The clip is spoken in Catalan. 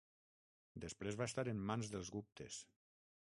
Després va estar en mans dels guptes.